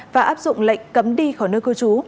và áp dụng lệnh cấm đi khỏi nơi cư trú